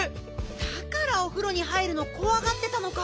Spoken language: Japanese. だからおふろに入るのこわがってたのか。